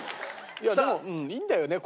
いやでもいいんだよね。